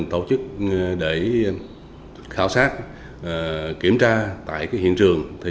tổ chức để khảo sát kiểm tra tại hiện trường